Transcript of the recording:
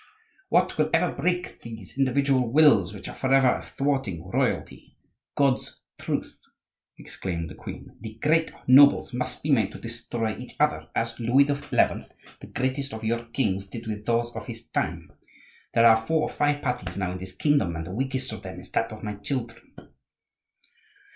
"What will ever break these individual wills which are forever thwarting royalty? God's truth!" exclaimed the queen, "the great nobles must be made to destroy each other, as Louis XI., the greatest of your kings, did with those of his time. There are four or five parties now in this kingdom, and the weakest of them is that of my children."